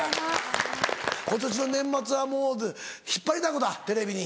今年の年末はもう引っ張りだこだテレビに。